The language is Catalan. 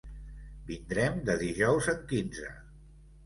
Vindrem de dijous en quinze.